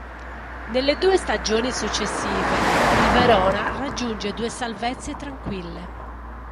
Nelle due stagioni successive il Verona raggiunge due salvezze tranquille.